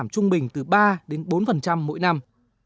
thông bình từ ba đến bốn mỗi năm